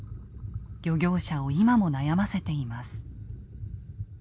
漁業者を今も悩ませています。